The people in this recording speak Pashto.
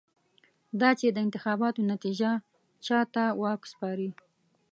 دا چې د انتخاباتو نتېجه چا ته واک سپاري.